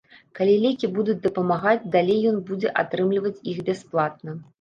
Калі лекі будуць дапамагаць, далей ён будзе атрымліваць іх бясплатна.